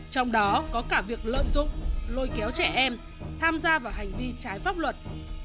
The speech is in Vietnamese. trong đó có cả việc lợi dụng lôi kéo trẻ em tham gia vào hành vi trái pháp luật